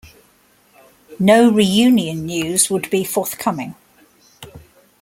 No reunion news would be forthcoming.